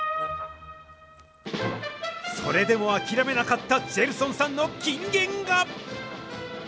それでも諦めなかったジェルソンさんの金言が。